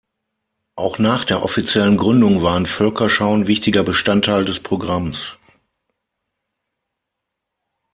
Auch nach der offiziellen Gründung waren „Völkerschauen“ wichtiger Bestandteil des Programms.